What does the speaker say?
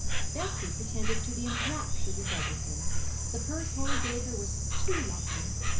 Bessie pretended to be enraptured with everything. The purse Horry gave her was 'too lovely.'